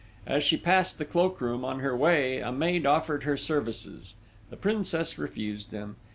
As she passed the cloak room on her way a maid offered her services. The Princess refused them.